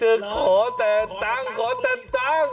เหรอขอแต่ตังค์ล้ออี๋